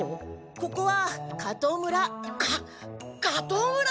ここは加藤村。か加藤村？